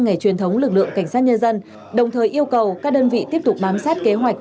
ngày truyền thống lực lượng cảnh sát nhân dân đồng thời yêu cầu các đơn vị tiếp tục bám sát kế hoạch